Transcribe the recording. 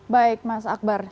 baik mas akbar